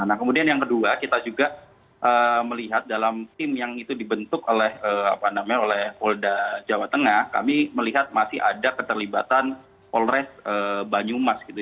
nah kemudian yang kedua kita juga melihat dalam tim yang itu dibentuk oleh polda jawa tengah kami melihat masih ada keterlibatan polres banyumas gitu